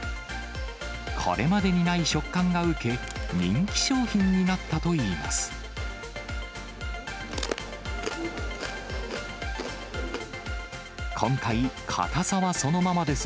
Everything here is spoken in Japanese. これまでにない食感が受け、人気商品になったといいます。